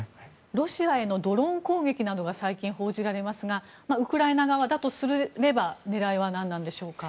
ロシアへのドローン攻撃などが最近、報じられますがウクライナ側だとすれば狙いは何なのでしょうか。